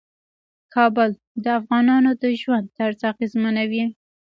کابل د افغانانو د ژوند طرز اغېزمنوي.